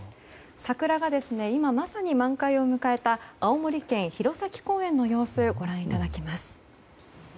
桜が今まさに満開を迎えた青森県、弘前公園の様子をご覧いただきます。